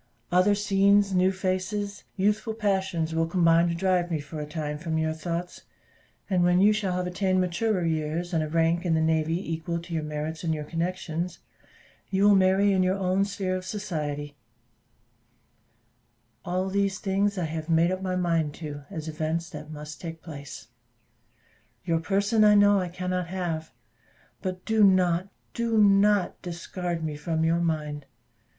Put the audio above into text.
Other scenes, new faces, youthful passions will combine to drive me for a time from your thoughts, and when you shall have attained maturer years, and a rank in the navy equal to your merits and your connections, you will marry in your own sphere of society; all these things I have made up my mind to, as events that must take place. Your person I know I cannot have but do not, do not discard me from your mind.